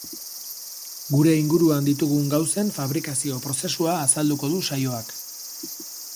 Gure inguruan ditugun gauzen fabrikazioa prozesua azalduko du saioak.